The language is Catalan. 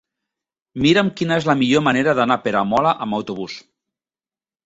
Mira'm quina és la millor manera d'anar a Peramola amb autobús.